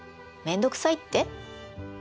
面倒くさいって？